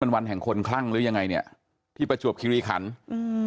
มันวันแห่งคนคลั่งหรือยังไงเนี้ยที่ประจวบคิริขันอืม